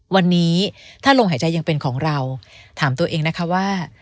วันนี้ถ้าลมหายใจยังเป็นของเราถามตัวเองนะคะว่า